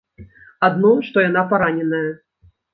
Адно, што яна параненая.